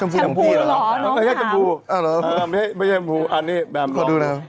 พอดูนะครับ